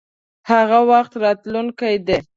هغه وخت راتلونکی دی.